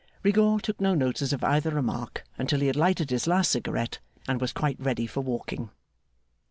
Rigaud took no notice of either remark until he had lighted his last cigarette and was quite ready for walking.